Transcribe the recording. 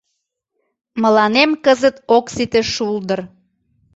Мыланем кызыт ок сите шулдыр